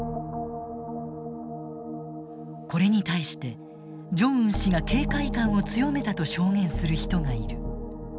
これに対してジョンウン氏が警戒感を強めたと証言する人がいる。